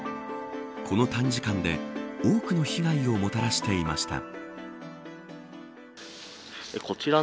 この短時間で多くの被害をもたらしていました。